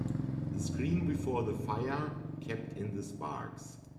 The screen before the fire kept in the sparks.